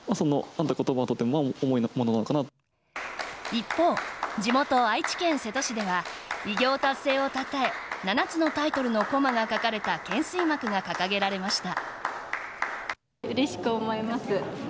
一方、地元・愛知県瀬戸市では偉業達成をたたえ７つのタイトルの駒が書かれた懸垂幕が掲げられました。